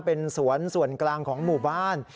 เป็นสวนส่วนกลางของหมู่บ้าน